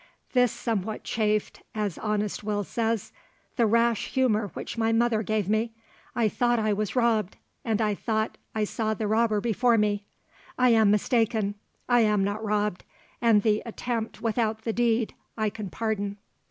This somewhat chafed, as honest Will says, 'the rash humour which my mother gave me.' I thought I was robbed, and I thought I saw the robber before me. I am mistaken—I am not robbed; and the attempt without the deed I can pardon."